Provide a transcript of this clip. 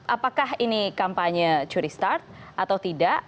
apakah ini kampanye curistart atau tidak